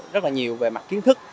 rất là nhiều về mặt kiến thức